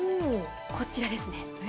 こちらですね。